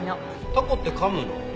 タコって噛むの？